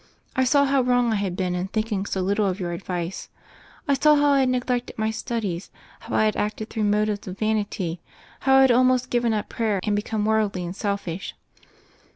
I saw how wrong I had been in thinking so little of your advice; I saw how I had neglected my studies, how I had acted through motives of vanity, how I had al most given up prayer and become worldly and selfish.